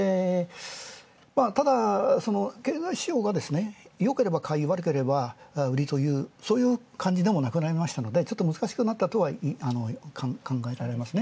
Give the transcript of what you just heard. ただ経済指標がよければかい、悪ければ売りというそういう感じでもなくなりましたのでちょっと難しくなったと考えられますね。